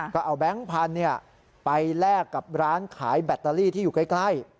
ก็เอาแบงค์พันธุ์ไปแลกกับร้านขายแบตเตอรี่ที่อยู่ใกล้